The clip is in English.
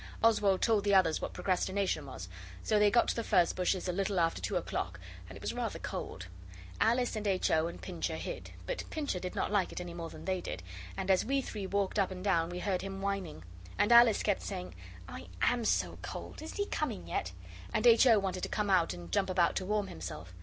Oswald told the others what Procrastination was so they got to the furze bushes a little after two o'clock, and it was rather cold. Alice and H. O. and Pincher hid, but Pincher did not like it any more than they did, and as we three walked up and down we heard him whining. And Alice kept saying, 'I am so cold! Isn't he coming yet?' And H. O. wanted to come out and jump about to warm himself.